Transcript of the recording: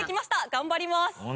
頑張ります！